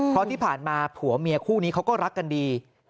เพราะที่ผ่านมาผัวเมียคู่นี้เขาก็รักกันดี